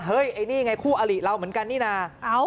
ไอ้นี่ไงคู่อลิเราเหมือนกันนี่นะ